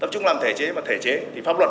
tập trung làm thể chế và thể chế thì pháp luật